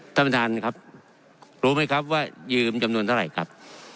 ท่านประธานครับรู้ไหมครับว่ายืมจำนวนเท่าไหร่ครับ